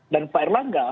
dan pair langga